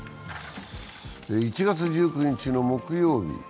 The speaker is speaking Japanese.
１月１９日の木曜日。